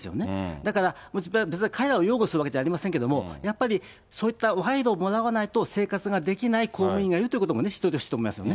だから、別に彼らを擁護するわけじゃありませんけれども、やっぱりそういった賄賂をもらわないと生活ができない公務員がいるということも知っておいてほしいと思いますよね。